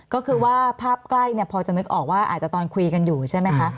ก็คือว่าภาพใกล้พอจะนึกออกว่าอาจจะตอนคุยกันอยู่ใช่ไหมคะ